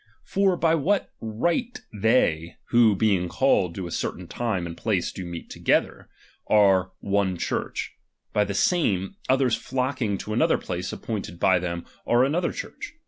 For by what right they, who being called to a certain time and place do meet together, are one Church ; by the same, others flocking to another place appointed by them, are another Church.